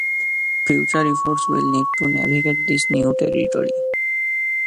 Future efforts will need to navigate this new territory.